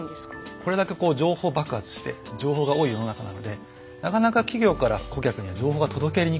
これだけ情報爆発して情報が多い世の中なのでなかなか企業から顧客には情報が届けにくいんですよ。